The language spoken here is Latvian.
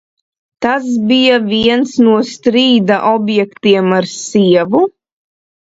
Tas bija viens no strīda objektiem ar sievu?